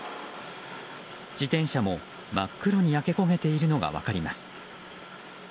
自転車も真っ黒に焼け焦げているのが分かります。